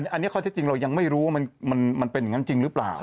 อันนี้ข้อเท็จจริงเรายังไม่รู้ว่ามันเป็นอย่างนั้นจริงหรือเปล่า